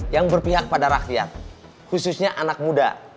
yang berpihak pada rakyat khususnya anak muda